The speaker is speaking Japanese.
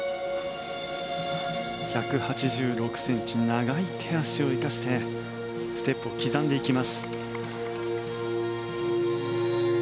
１８６ｃｍ長い手足を生かしてステップを刻んでいきます。